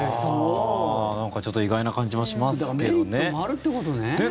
なんかちょっと意外な感じはしますけどね。